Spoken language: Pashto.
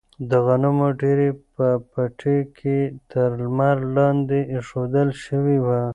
د غنمو ډیرۍ په پټي کې تر لمر لاندې ایښودل شوې وه.